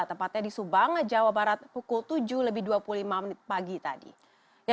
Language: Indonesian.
tepatnya di subang jawa barat pukul tujuh lebih dua puluh lima menit pagi tadi